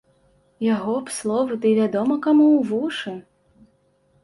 Яго б словы ды вядома каму ў вушы!